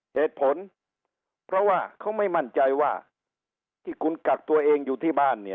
เหตุผลเพราะว่าเขาไม่มั่นใจว่าที่คุณกักตัวเองอยู่ที่บ้านเนี่ย